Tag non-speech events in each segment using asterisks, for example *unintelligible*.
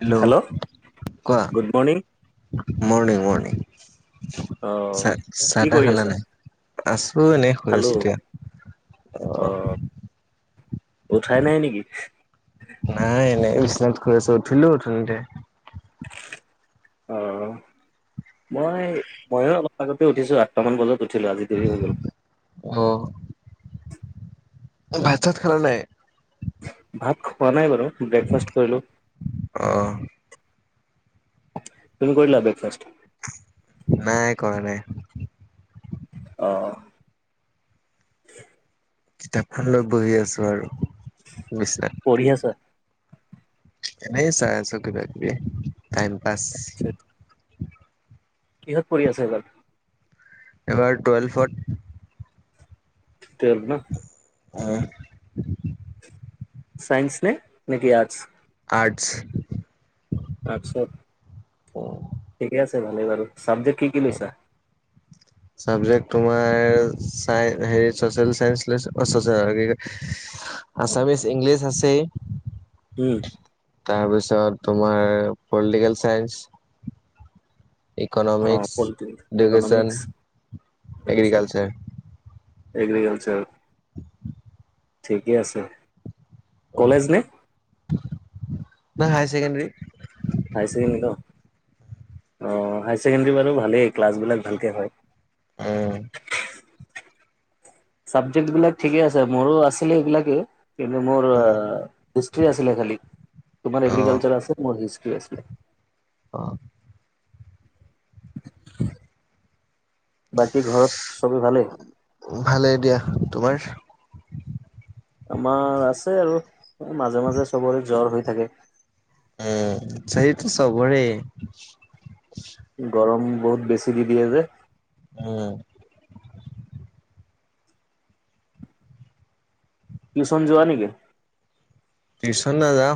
Hello, কোৱা, good morning morning morning. অ চাহ চাহ কি তাহ কৰি খালান আছা নাই, আছো এনেই শুই আছো এতিয়া। আহ', উঠাই নাই নেকি? নাই এনে শুই আছো, উঠিলো অথনিতে। অ', মই ময়ো অলপ আগতে উঠিছো, আঠটা মান বজাত উঠ উঠিলো, আজি দেৰি হৈ গ'ল। অ ভাত চাত খালা নাই? ভাত খোৱা নাই বাৰু, ব্ৰেকফাষ্ট কৰিলোঁ। অ তুমি কৰিলা ব্ৰেকফাষ্ট? নাই, কৰা নাই। অঁ'। কিতাপখন লৈ বহি আছো আৰু বিচনাত। পঢ়ি আছা এনে চাই আছো কিবা কিবি, টাইম পাছ। আচ্ছা, কিহত পঢ়ি আছা এইবাৰ? এইবাৰ টুৱেলভত। টুৱেলভত ন। আহ'। চাইন্স নে নেকি আৰ্টছ? আৰ্টছ। আচ্ছা। উম'। ঠিকে আছে ভালেই বাৰু, ছাবজেক্ট কি কি লৈছা? চাবজেক্ট তোমাৰ চাই হেৰি চচিয়েল চাই অ', কি কয় আম ইংলিছ আছেই। উম'। তাৰপিছত তোমাৰ পলিটিকেল চাইন্স অ', economics, political, education, economics *unintelligible* agriculture. Agriculture. *inaudible* ঠিকে আছে, কলেজ নে? বা হাইাৰ ছেকেণ্ডেৰী। আহ', হায়াৰ ছেকেণ্ডৰী বাৰু ভালেই, ক্লাছবলাক ভালকে হয়। উম'। চাবজেক্ট বিলাক ঠিকে আছে, মোৰো আছিলে এইবিলাকে। কিন্তু মোৰ হিষ্ট্ৰী আছিলে খালি, তোমাৰ এগ্ৰিকালচাৰ আছে, মোৰ হিষ্ট আছিলে। অ'। বাকী ঘৰত চবে ভালেই *inaudible* ভালেই দিয়া তোমাৰ? আমাৰ আছে আৰু মাজে, মাজে চবৰে জ্বৰ হৈ থাকে। উম, সেইটো সবৰে গৰম বহুত বেছি দি, দিয়ে যে। উম। টিউচন যোৱা নেকি। টিউচন নাযাওঁ।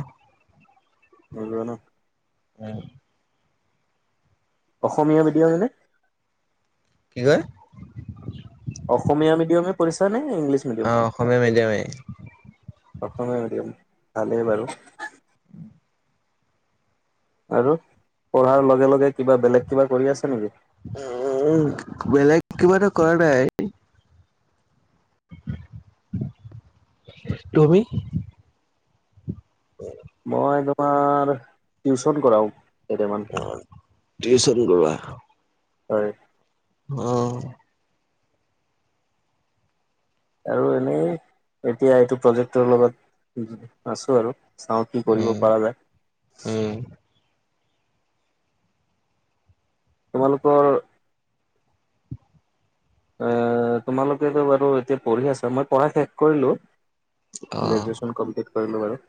ভাল ল'ৰা ন। অ'। অসমীয়া মিডিয়ামেনে। কি হয়। অসমীয়া মিডিয়ামে পঢ়িচা নে। ইংলিছ মিডিয়াম অ, অসমীয়া মেডিয়ামেই। অসমীয়া মিডিয়াম ভালেই বাৰু। আৰু পঢ়াৰ লগে, লগে কিবা বেলেগ কিবা কৰি আছে নেকি। উম, বেলেগ কিবা এটা কৰা নাই। তুমি? মই তোমাৰ টিউচন কৰাও। কেইটামান অ, টিউচন কৰোৱা। হয়। অ'। আৰু এনেই, এতিয়া এইটো প্ৰজেক্টৰ লগত আছো আৰু। চাওঁ কি কৰিব উম, পৰা যায়। উম, তোমালোকৰ এ, তোমালোকেতো বাৰু এতিয়া পঢ়ি আছা মই পঢ়া শেষ কৰিলো। অ', গ্ৰেজুৱেশ্যন কমপ্লিট কৰিলোঁ বাৰু।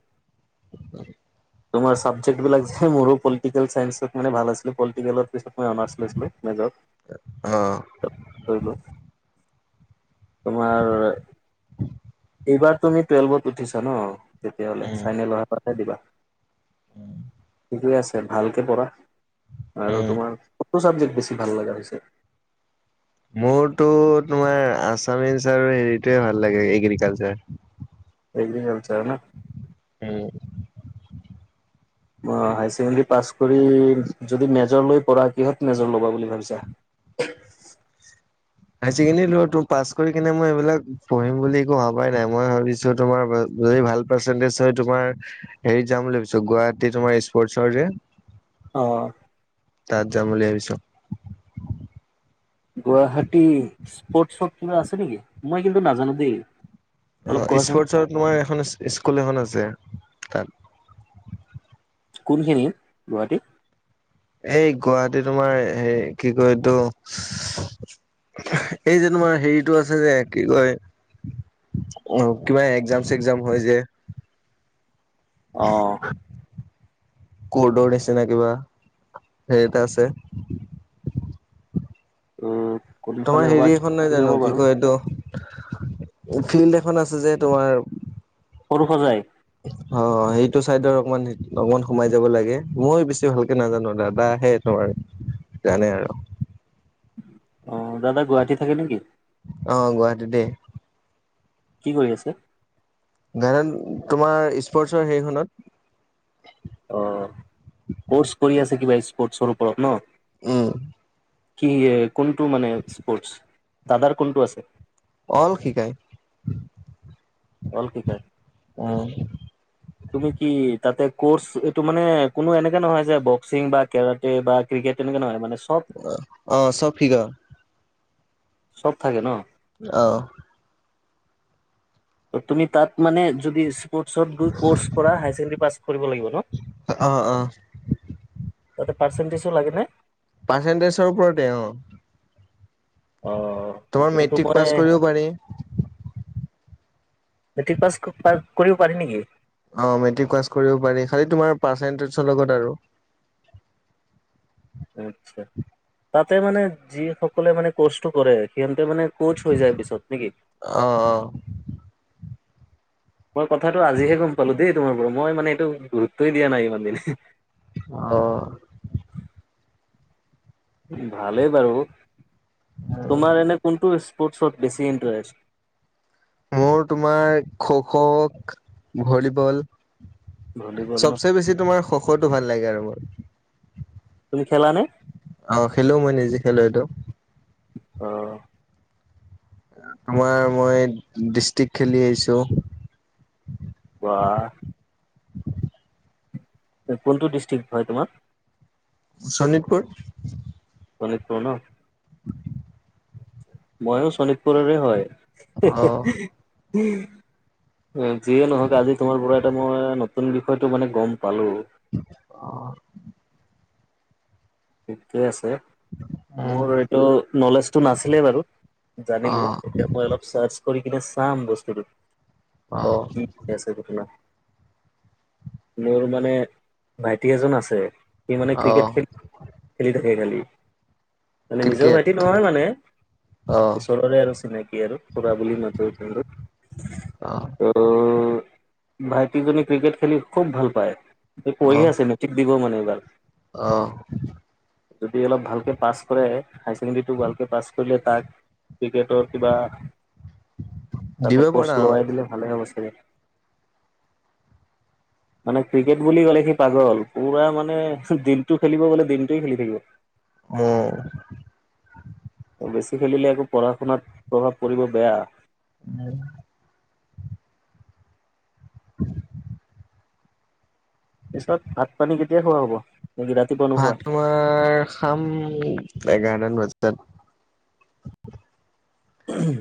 *inaudible* তোমাৰ ছাবজেক্টবলাক যে মোৰো পলিটিকেল চায়ন্ঞ্চত মানে ভাল আছিলে পলিটিকেলৰ পিছত মই অনাৰচ লৈছিলো মেজত। অ'। কৰিলো তোমাৰ এইবাৰ তুমি টুৱেল্ভত উঠিছা ন, তেতিয়াহ'লে উম। চাইনেলহে পাঠাই দিবা। ঠিকে আছে ভালকে পঢ়া আৰু উম। তোমাৰ কোনটো চাবজেক্ট বেছি ভাল লগাগা হৈছে। মোৰতো তোমাৰ আছামিজ আৰু হেৰিটোৱে ভাল লাগে এগ্ৰিকালচাৰ। *inaudible* উম। হায় ছেকেণ্ডৰী পাছ কৰি যদি মেজৰ লৈ পঢ়া কিহত মেজৰ ল'বা বুলি ভাবিছা। *inaudible* হাই ছেকেণ্ডৰী ল ত পাছ কৰি কিনে মই এইবিলাক পঢ়িম বুলি একো ভাই নাই মই ভাবিছো তোমাৰ যদি ভাল পাৰ্চেন্টেজ হয় তোমাৰ হেৰিত যাম বুলি ভাবিছো গুৱাহাটী তোমাৰ স্পৰ্টচৰ যে অ'। তাত যাম বুলি ভাবিছোঁ। গুৱাহাটী স্পৰ্ কিবা আছে নেকি মই কিন্তু নাজানো দেই। অ, অলপ কোৱাচোন স্পৰ্টচৰ তোমাৰ এখন স্কুল এখন আছে তাত। কোনখিনি গুৱাহাটীত। এই গুৱাহাটী তোমাৰ হে কি কয় এইটো এই যে তোমাৰ হেৰিতটো আছে যে কি কয় আহ কিবা একজাম, চেগ্জাম হয় যে। অ'। কৰ্ডৰ নিচিনা কিবা সেইটা আছে। ত তোমাৰ কোনফালে হ'বা হেৰি এখন নাই যাব জানো কি বাৰু কয় এইটো ফিল্ড এখন আছে যে তোমাৰ সৰু সজায় অ', সেইটো চাইডৰ অকমান অকমান সোমাই যাব লাগে মই বেছি ভালকে নাজানো দাদা সেই তোমাৰ জানে আৰু অ', দাদা গুৱাহাটী থাকে নেকি আহ গুৱাহাটীতেই কি কৰি আছে তোমাৰ স্পৰ্টছৰ হেৰিখনত অ', কৰ্চ কৰি আছে কিবা স্পৰ্টছৰ ওপৰত ন উম কি কোনটো মানে স্পৰ্টছ দাদাৰ কোনটো আছে অল শিকায় অল শিকাই উম তুমি কি তাতে কৰ্চ এইটো মানে কোনো এনেকাে নহয় যে বক্সিং বা কেৰাটে বা ক্ৰিকেট তেনেকা নহয় মানে চব অ', অ', চব শিকাই চব থাকে ন অ' তুমি তাত মানে যদি স্পৰ্টছ গৈ কৰ্চ কৰা হায় ছেকেণ্ডৰী পাছ কৰিব লাগিব ন অ অ তাতে পাৰ্চেণ্টেজো লাগে নে পাৰ্চেণ্টেজৰ ওপৰতে অ অ' তোমাৰ এইটোতো মেট্ৰিক মই পাছ কৰিব পাৰি। মেট্ৰিক পাছ কৰিও পাৰি নেকি অ', মেট্ৰিক পাছ কৰিব পাৰি খালি তোমাৰ পাৰ্চেণ্টেজৰ লগত আৰু আতছা তাতে মানে যি সকলে মানে কৰ্চটো কৰে সিহ মানে ক'চ হৈ যায় পিছত নেকি অ অ মই কথাটো আজিহে গম পালো দেই তোমাৰ পৰা মই মানে এইটো গুৰুত্বই দিয়া নাই ইমান দিনে অ ভালেই বাৰু তোমাৰ এনে কোনটো স্পৰ্টছত বেছি ইণ্টাৰেষ্ট মোৰ তোমাৰ খ' খ', ভলীবল ভলীবল ন চবচে বেছি তোমাৰ খ' খ', ভাল লাগে আৰু মোৰ। তুমি খেলা নে অ', খেলো মই নিজে খেলো এইটো অ' তোমাৰ মই ডিষ্ট্ৰিক্ খেলি আহিছোঁ। বা কোনটো ডিষ্ট্ৰিক হয় তোমাৰ শোণিতপুৰ। *unintelligible* মইও শোণিতপুৰৰে হয়। অ যিয়ে নহক আজি তোমাৰ পৰা এটা মই নতুন বিষয়টো মানে গ'ম পালো। ঠিকে আছে। উম মোৰ এইটো নলেজটো নাছিলেই বাৰু জানিলো এতিয়া মই অলপ চাৰ কৰি কিনে চাম বস্তুটো অ ঠিক আছে দেখা। মোৰ মানে ভাইটি এজন আছে সি মানে অ অ ক্ৰিকেট খেল থাকে খালি মানে নিজৰ ক্ৰিকেট ভাইটি নহয় মানে। অ ওচৰৰে আৰু চিনাকি আৰু খুৰা বুলি মাতো কিন্তু। অ অ'। ভাইটি জনী ক্ৰিকেট খেলি খুব ভাল পায়, অ পঢ়ি আছে মেট্ৰিক দিব মানে এইবাৰ। অ'। যদি অলপ ভালকৈ পাছ কৰে, হায়াৰ ছেকেণ্ডেৰীটো ভালকে পাছ কৰিলে তাক ক্ৰিকেটৰ কিবা উম। তাতে ক'ৰ্চ লোৱাই দিলে ভালে হ'ব চাগে। *inaudible* মানে ক্ৰিকেট বুলি ক'লে, সি পাগল পুৰা মানে দিনটো খেলিব গলে দিনটো খেলি থাকিব। অ'। বেছি খেলিলে আকৌ পঢ়া শুনাত প্ৰভাৱ পৰিব বেয়া। উম। *inaudible* পিছত ভাত, পানী কেতিয়া খোৱা হ'ব। নেকি ৰাতিপুৱা নোখোৱা ভাত তোমাৰ খাম এঘাৰটা মান বজাত।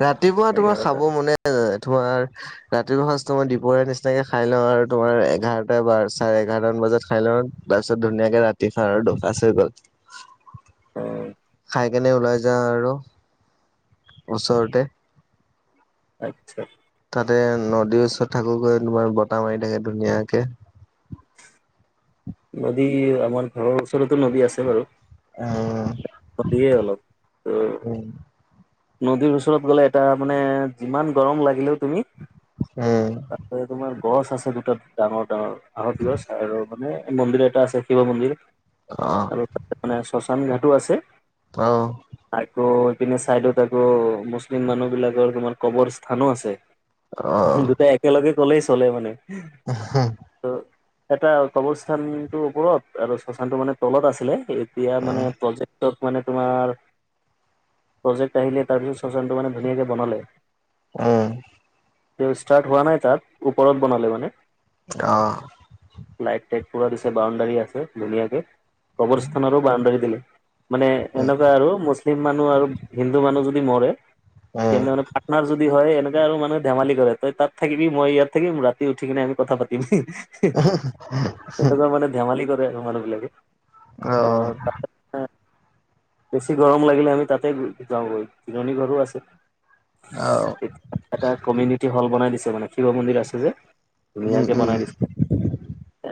ৰাতিপুৱা তোমাৰ এঘাৰটা খাব, মনে নাযায় তোমাৰ ৰাতিপুৱা সাঁজটো মই দীপৰীয়া নিচিনাকে খাই লওঁ আৰু তোমাৰ এঘাৰটা চাৰে এঘাৰটামান বজাত খাই লওঁ। তাৰ পিছত ধুনীয়াকে ৰাতি খাও, আৰু দুসাজ হৈ গ'ল। অ খাই কেনে ওলাই যাওঁ আৰু, ওচৰতে। আত্ছা। তাতে নদীৰ ওচৰত থাকো গৈ, তোমাৰ বতাহ মাৰি থাকে ধুনীয়াকে। নদী আমাৰ ঘৰৰ ওচৰতো নদী আছে বাৰু। উম। কপে অলপ উম নদীৰ ওচৰত গ'লে এটা মানে যিমান গৰম লাগিলেও তুমি উম তাৰতে তোমাৰ গছ আছে দুটা ডাঙৰ, ডাঙৰ আহত গছ আৰু মানে মন্দিৰ এটা আছে শিৱ মন্দিৰ আহ আৰু তাতে মানে শশান ঘাটোউ আছে। আহ আৰু পিনে ছাইদত আকৌ মুছলিম মানুহ বিলাকৰ তোমাৰ কবৰ স্থানো আছে। আহ দুটাই একেলগে কলেই চলে মানে উম টো এটা কবৰস্থানটোৰ, ওপৰত আৰু শশানতটো মানে তলত আছিলে, এতিয়া মানে প্ৰজেক মানে তোমাৰ প্ৰজেক আহিলে তাৰপিছত চচানটো মানে ধুনীয়াকে বনালে। উম। তেওঁ ষ্টাৰ্ট হোৱা নাই, তাত ওপৰত বনালে মানে অ'। লাইট টাইট পুৰা দিছে, বাউণ্ডাৰী আছে ধুনীয়াকে কবৰ স্থানৰো বাউণ্ডাৰী দিলে। মানে উম এনেকুৱা আৰু মুছলিম মানুহ আৰু হিন্দু মানুহ যদি মৰে উম এনে মান পাৰাটনাৰ যদি হয়, এনে আৰু মানে ধেমালি কৰে, তই তাত থাকিবি মই ইয়াত থাকিম ৰাতি উঠি কিনে আমি কথা পাতিম। এ, মানে ধেমালি কৰে মানুহ বিলাকে। অ'। বেছি গৰম লাগিলে আমি তাতে যাওগৈ জিৰণি ঘৰো আছে। আহ এটা কমিউনিটি হ'ল বনাই দিছে মানে শিৱ মন্দিৰ আছে যে। উম ধুনীয়াকে উম বনাই দিছে,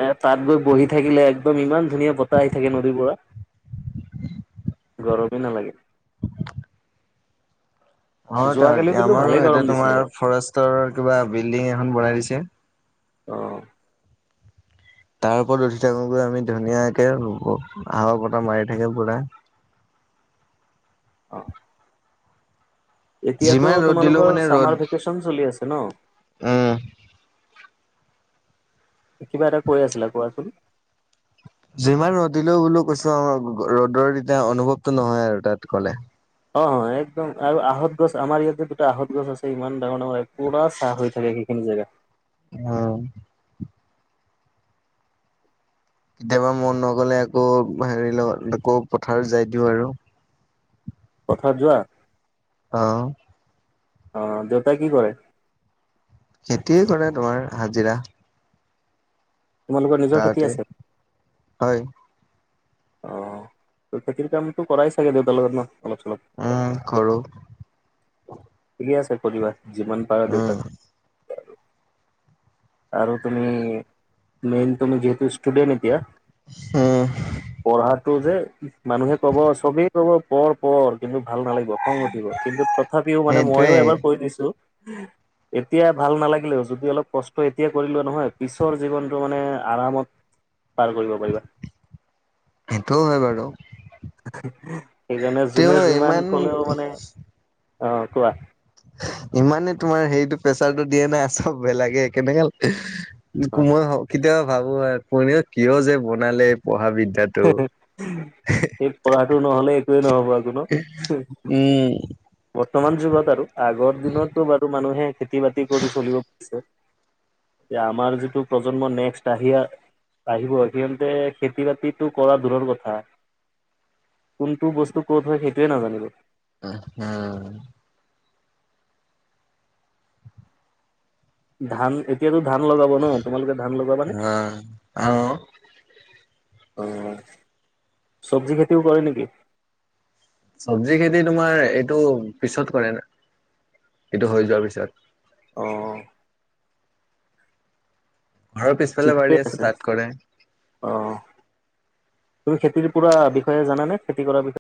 এ, তাত গৈ বহি থাকিলে। একদম ইমান ধুনীয়া বতাহ আহি থাকে, নদীৰ পৰা। গৰমেই নালাগে। অ, যোৱাকালিও কিন্তু আমাৰো ভালে ইতে গৰম দিছিলে তোমাৰ ফৰেষ্টৰ কিবা বিল্ডিং এখন বনাই দিছে। অ' তাৰ ওপৰত উঠি থাকোগৈ, আমি ধুনীয়াকে হাৱা বতৰা মাৰি থাকে পুৰা। অ' এতিয়াতো যিমান ৰ'দ দিলেও তোমালোকৰ মানে ৰ'দ চামাৰ ভেকেশন চলি আছে ন? উম কিবা এটা কৈ আছিলা কোৱাচোন? যিমান ৰ'দ দিলেও বোলো কৈছো আমাৰ ৰ'দৰ দিনা অনুভৱটো নহয় আৰু তাত গলে। অ', অ' একদম আৰু আহত গছ আমাৰ ইয়াতে দুটা আহত গছ আছে ইমান ডাঙৰ ডাঙৰ পুৰা চাহ হৈ থাকে সে হেনো জেগা অ' কেতিয়াবা মন নগলে আকৌ হেৰি লগত আকৌ পথাৰত যাই দিওঁ আৰু। পথাৰত যোৱা? অ' অ', দেউতাই কি কৰে? খেতিয়ে কৰে তোমাৰ হাজিৰা। তোমালোকৰ নিজৰ খেতি গাঁৱতে আছে? হয়। অ', খেতিৰ কামতো কৰাই ছাগে দেউতাৰ লগত ন? অলপ চলপ উম, কৰো। ঠিকেই আছে কৰিবা যিমান পাৰ উম। দেউতাক আৰু তুমি মেইন তুমি যিহেতু ষ্টুডেণ্ট এতিয়া উম টো যে মানুহে ক'ব চবেই ক'ব পঢ় পঢ় কিন্তু ভাল নালাগিব খং উঠিব কিন্তু তথাপিও মানে মইও সেইটোৱে এবাৰ কৈ দিছো এতিয়া ভাল নালাগিলেও যদি অলপ কষ্ট ট এতিয়া কৰিলোৱা নহয় পিছৰ জীৱনটো মানে আৰামত পাৰ কৰিব পাৰিবা সেইটোও হয় বাৰু। সেইকাৰণে যোনে তেওঁ যিমান ইমান ক'লেও মানে, অ', কোৱা? ইমানে তোমাৰ হেৰিটো প্ৰেছাৰটো দিয়ে নাই চব বেলেগে কেনেকে অ মই কেতিয়াবা ভাবো কোনে কিয় যে বনালে পঢ়াবিধ এতিয়াতো কোৱা যোনো বৰ্তমান যুগত আৰু আগৰ দিনতটো বাৰু মানুহে খেতি বাতি কৰি চলিব পাৰছে, এতিয়া আমাৰ যিটো প্ৰজন্ম নেক্সট আহিয়া আহিব সিহতে খেতি বাতিত তো কৰা দূৰৰ কথা, কোনটো বস্তু কত হয় সেইটোয়ে নাজানিব। উহ, হু। ধান এতিয়াতো ধান লগাব ন, তোমালোকে ধান লগাবা নে? হা অ অ' ছবজী খেতিও কৰে নেকি? চবজি খেতি তোমাৰ এইটো পিছত কৰে, এইটো হৈ যোৱাৰ পিছত। অ' ঘৰৰ পিছফালে ঠিকে বাৰী আছে। তাত কৰে অ' তুমি খেতিৰ পুৰা বিষয়ে জানানে, খেতি কৰা বিষয়ে?